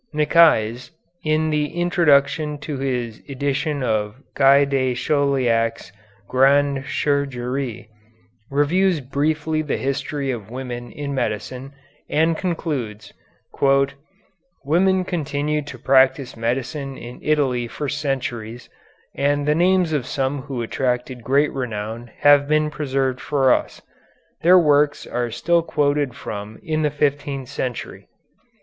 Nicaise, in the introduction to his edition of Guy de Chauliac's "Grande Chirurgie," reviews briefly the history of women in medicine, and concludes: "Women continued to practise medicine in Italy for centuries, and the names of some who attained great renown have been preserved for us. Their works are still quoted from in the fifteenth century.